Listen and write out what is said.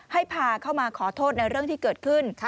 ให้พาเข้ามาขอโทษในเรื่องที่เกิดขึ้น